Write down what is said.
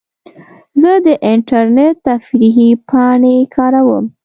زه د انټرنیټ تفریحي پاڼې کاروم.